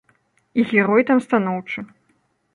І герой там станоўчы.